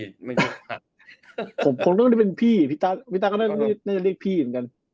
ผมคงต้องเรียกเป็นพี่พี่ต้านก็น่าจะเรียกพี่เหมือนกัน